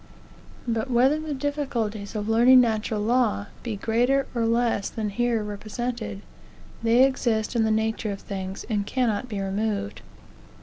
But whether the difficulties of learning natural law be greater or less than here represented, they exist in the nature of things, and cannot be removed.